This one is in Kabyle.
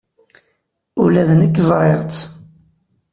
Ula d nekk ẓriɣ-tt.